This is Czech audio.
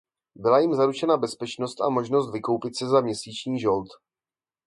Byla jim zaručena bezpečnost a možnost vykoupit se za měsíční žold.